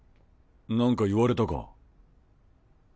なんか言われたか？